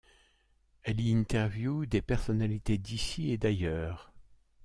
Elle y interviewe des personnalités d'ici et d'ailleurs.